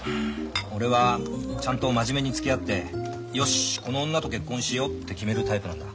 俺はちゃんと真面目につきあってよしっこの女と結婚しようって決めるタイプなんだ。